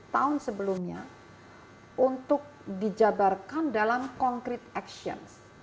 tahun sebelumnya untuk dijabarkan dalam concrete action